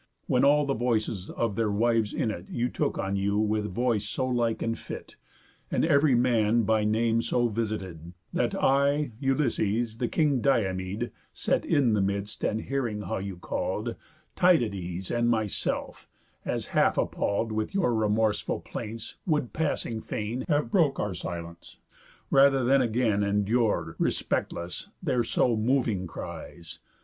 When all the voices of their wives in it You took on you with voice so like and fit, And ev'ry man by name so visited, That I, Ulysses, the king Diomed, (Set in the midst, and hearing how you call'd) Tydides, and myself (as half appall'd With your remorseful plaints) would passing fain Have broke our silence, rather than again Endure, respectless, their so moving cries.